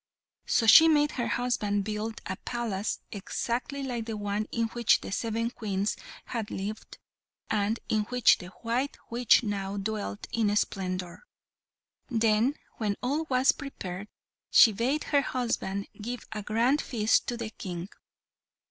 So she made her husband build a palace exactly like the one in which the seven Queens had lived, and in which the white witch now dwelt in splendour. Then, when all was prepared, she bade her husband give a grand feast to the King.